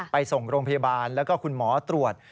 ไปส่งโรงพยาบาลแล้วก็คุณหมอตรวจ